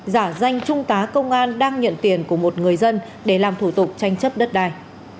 giả danh trung tá công an đang nhận tiền của một người dân để làm thủ tục tranh chấp đất đai